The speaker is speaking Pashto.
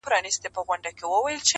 او د ظالم دفاع یې شروع کړه